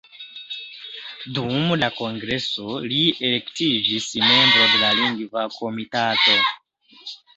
Dum la kongreso li elektiĝis membro de la Lingva Komitato.